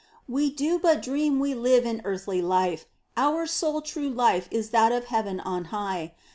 We do but dream we live in earthly life ; Our sole true life is that of heaven on high.